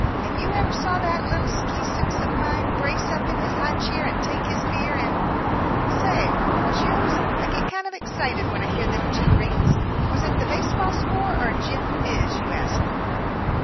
If you ever saw that little skeesicks of mine brace up in his high chair and take his beer and But, say, what was yours? I get kind of excited when I hear them two rings was it the baseball score or gin fizz you asked for?"